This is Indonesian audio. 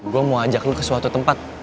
gue mau ajak lo ke suatu tempat